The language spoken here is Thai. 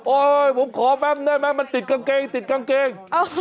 โอ๊ยผมขอแป๊บหน่อยมั้ยมันติดกางเกงติดกางเกง